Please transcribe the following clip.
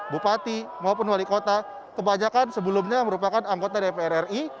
bupati maupun wali kota kebanyakan sebelumnya merupakan anggota dprri